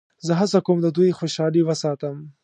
زه هڅه کوم د دوی خوشحالي وساتم.